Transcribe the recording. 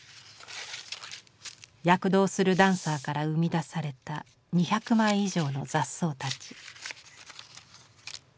躍動するダンサーから生み出された２００枚以上の雑草たち。